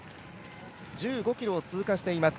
１５ｋｍを通過しています。